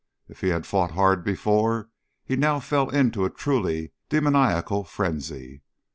If he had fought hard before, he now fell into a truly demoniacal frenzy.